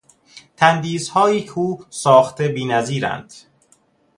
تندیسهایی که او ساخته بینظیرند.